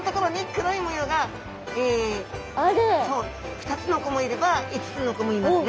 ２つの子もいれば５つの子もいますね。